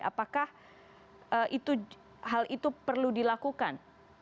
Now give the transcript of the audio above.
apakah hal itu perlu dilakukan